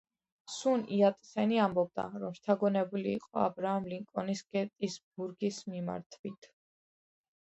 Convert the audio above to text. სუნ იატსენი ამბობდა, რომ შთაგონებული იყო აბრაამ ლინკოლნის გეტისბურგის მიმართვით.